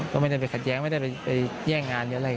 ก็ไม่ได้ไปขัดแย้งไม่ได้ไปแย่งงานหรืออะไร